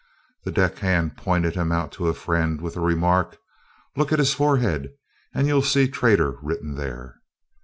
The said deck hand pointed him out to a friend, with the remark, "Look at his forehead, and you'll see traitor written there."